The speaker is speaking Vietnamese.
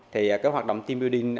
thì hoạt động team building